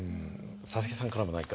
佐々木さんからも何か。